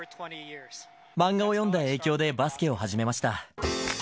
漫画を読んだ影響でバスケを始めました。